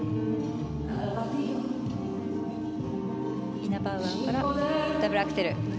イナバウアーからダブルアクセル。